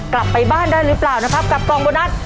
กลับไปบ้านได้หรือเปล่านะครับกับกล่องโบนัส